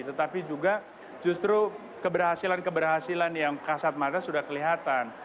tetapi juga justru keberhasilan keberhasilan yang kasat mata sudah kelihatan